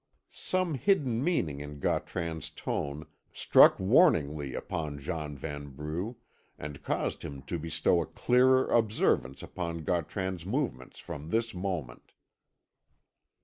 Some hidden meaning in Gautran's tone struck warningly upon John Vanbrugh, and caused him to bestow a clearer observance upon Gautran's movements from this moment.